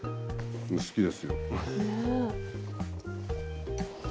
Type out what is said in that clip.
好きですよ。